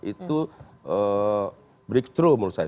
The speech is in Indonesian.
itu breakthrough menurut saya